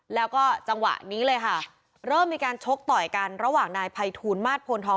แล้วก็จังหวะนี้เลยค่ะเริ่มมีการชกต่อยกันระหว่างนายภัยทูลมาสโพนทอง